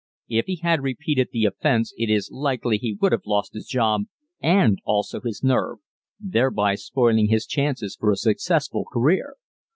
If he had repeated the offense it is likely he would have lost his job and also his nerve thereby spoiling his chances for a successful career.